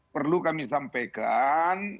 perlu kami sampaikan